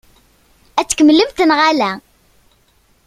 Ad t-tkemmlemt neɣ ala?